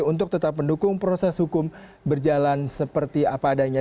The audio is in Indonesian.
untuk tetap mendukung proses hukum berjalan seperti apa adanya